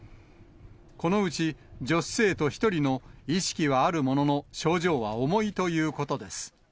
このうち女子生徒１人の意識はあるものの、症状は重いということです。